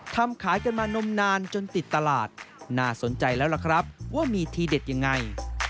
ทำขายกันมานมนานจนติดตลาดน่าสนใจแล้วล่ะครับว่ามีทีเด็ดยังไง